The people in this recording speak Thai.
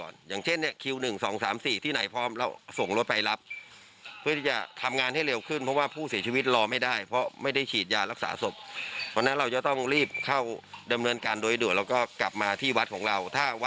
นับการนะครับของทางวัดล่าคองทำเองอยู่ประมาณสัก๑๕๐กว่าแล้ว